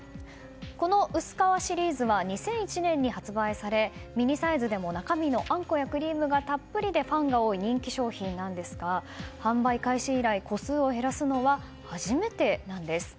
この薄皮シリーズは２００１年に発売されミニサイズでも中身のあんこやクリームがたっぷりでファンが多い人気商品なんですが販売開始以来、個数を減らすのは初めてなんです。